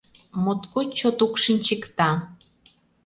Моткоч чот укшинчыкта.